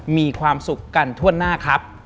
มีความสุขกันทั่วหน้าครับ